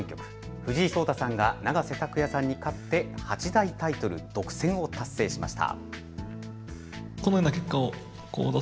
藤井聡太さんが永瀬拓矢さんに勝って八大タイトル独占を達成しました。